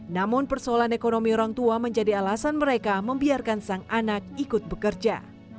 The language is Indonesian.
namun persoalan ekonomi orang tua menjadi alasan mereka membiarkan sang anak ikut bekerja